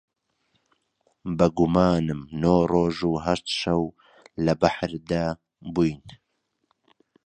بە گومانم نۆ ڕۆژ و هەشت شەو لە بەحردا بووین